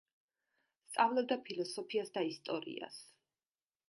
სწავლობდა ფილოსოფიას და ისტორიას.